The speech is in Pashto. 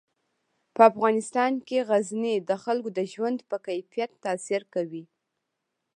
په افغانستان کې غزني د خلکو د ژوند په کیفیت تاثیر کوي.